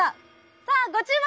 さあご注目！